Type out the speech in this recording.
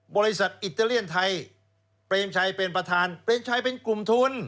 บริษัทอิตาเลียนไทยเปรมชัยเป็นประธานเปรมชัยเป็นกลุ่มทุน